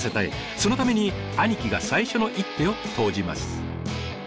そのために兄貴が最初の一手を投じます。